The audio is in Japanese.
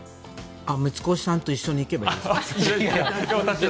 水越さんと一緒に行けばいいですか？